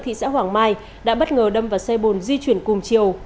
thị xã hoàng mai đã bất ngờ đâm vào xe bồn di chuyển cùng chiều